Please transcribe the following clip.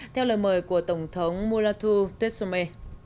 theo lời mời của tổng thống mulatu tesume